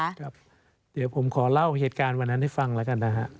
เดี๋ยวผมขอเล่าเหตุการณ์วันนั้นให้ฟังแล้วกันนะฮะ